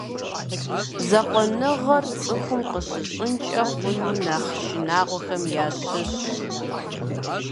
Закъуэныгъэр — цӏыхум къыщыщӏынкӏэ хъуну нэхъ шынагъуэхэм ящыщщ.